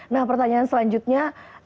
nah pertanyaan selanjutnya